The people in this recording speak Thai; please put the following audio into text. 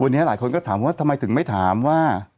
วันนี้หลายคนก็ถามว่าทำไมถึงไม่ถามว่า